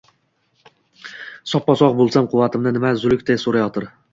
Soppa-sogʼ boʼlsam, quvvatimni nima zulukday soʼrayotir?